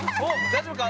大丈夫か？